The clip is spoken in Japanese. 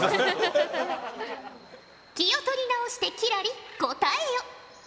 気を取り直して輝星答えよ。